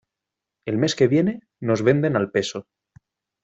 El mes que viene nos venden al peso.